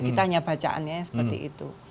kita hanya bacaannya seperti itu